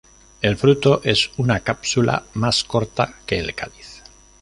El fruto es una cápsula más corta que el cáliz.